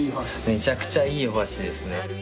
めちゃくちゃいいお箸ですね。